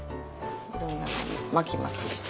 いろんなのに巻きまきして。